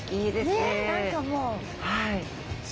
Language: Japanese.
ねえ何かもう。